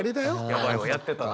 やばいわやってたわ。